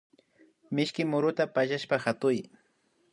Mishki muruta pallashpa hatuy